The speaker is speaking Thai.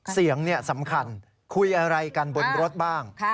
เสียงสำคัญคุยอะไรกันบนรถบ้าง